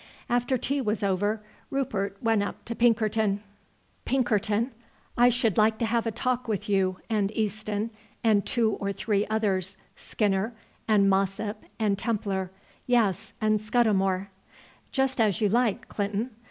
After tea was over Rupert went up to Pinkerton. "Pinkerton, I should like to have a talk with you and Easton and two or three others Skinner, and Mossop, and Templer yes, and Scudamore." "Just as you like, Clinton.